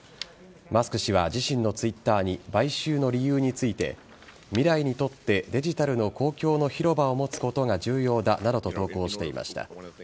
マスク氏は自身のＴｗｉｔｔｅｒに買収の理由について未来にとってデジタルの公共の広場を持つことが重要だなどと投稿していました。